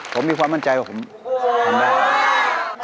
ผมมีความมั่นใจว่าผมทำได้